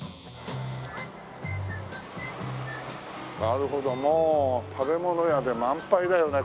なるほどもう食べ物屋で満杯だよね